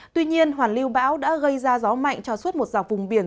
tuy nhiên hoàn lưu bão đã gây ra gió mạnh cho suốt một dọc vùng biển